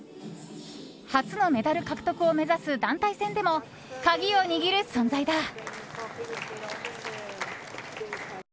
初のメダル獲得を目指す団体戦でも鍵を握る存在だ。